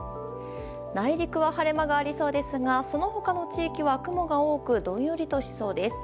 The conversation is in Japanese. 内陸は晴れ間がありそうですがその他の地域は雲が多くどんよりとしそうです。